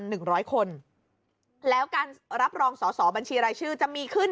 หนึ่งร้อยคนแล้วการรับรองสอสอบัญชีรายชื่อจะมีขึ้น